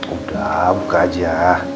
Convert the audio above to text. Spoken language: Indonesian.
udah buka aja